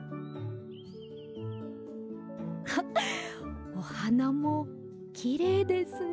あっおはなもきれいですね。